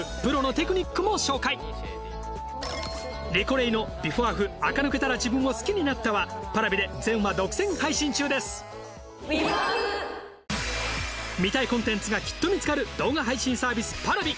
『リコレイのビフォアフ垢抜けたら自分を好きになった』はＰａｒａｖｉで見たいコンテンツがきっと見つかる動画配信サービスＰａｒａｖｉ。